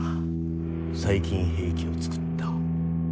細菌兵器を作った。